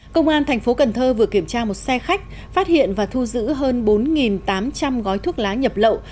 công an thành phố cần thơ vừa kiểm tra một xe khách phát hiện và thu giữ hơn bốn tám trăm linh gói thuốc lá nhập lậu